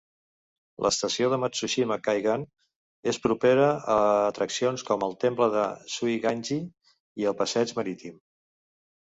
L'estació de Matsushima-Kaigan es propera a atraccions com el temple de Zuiganji i el passeig marítim.